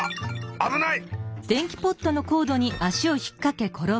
あぶない！